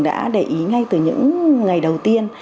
đã để ý ngay từ những ngày đầu tiên